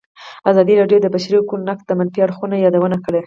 ازادي راډیو د د بشري حقونو نقض د منفي اړخونو یادونه کړې.